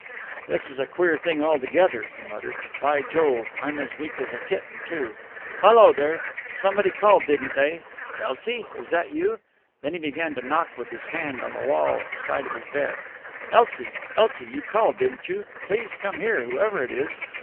"This is a queer thing altogether," he muttered. "By Jove, I'm as weak as a kitten too.... Hallo, there! Somebody called, didn't they?... Elsie! Is that you?..." Then he began to knock with his hand on the wall at the side of his bed. "Elsie!... Elsie!... You called, didn't you?... Please come here, whoever it is!..."